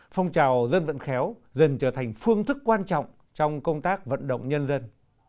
phong trào dân vận khéo dần trở thành phương thức quan trọng trong công tác vận động nhân dân